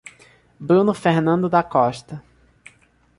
Bruno Fernando da Costa